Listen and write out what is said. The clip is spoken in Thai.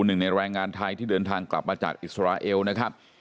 หนึ่งในแรงงานไทยที่เดินทางกลับมาจากอิสราเอลนะครับ